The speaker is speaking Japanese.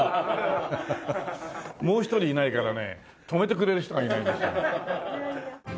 もう一人いないからね止めてくれる人がいないんです。